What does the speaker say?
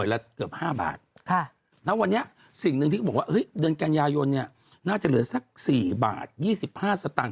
แล้ววันนี้ถูกลงอย่างไรฮะ